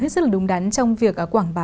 rất là đúng đắn trong việc quảng bá